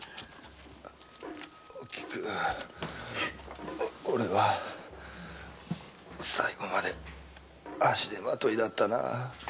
おきく俺は最後まで足手まといだったなあ。